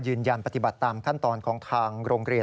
ยืนยันปฏิบัติตามขั้นตอนของทางโรงเรียน